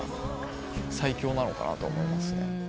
最強なのかなと思いますね。